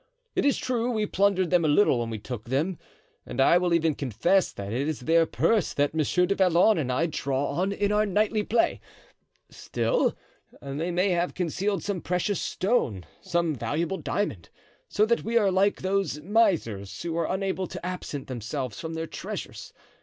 It is true we plundered them a little when we took them, and I will even confess that it is their purse that Monsieur du Vallon and I draw on in our nightly play. Still, they may have concealed some precious stone, some valuable diamond; so that we are like those misers who are unable to absent themselves from their treasures.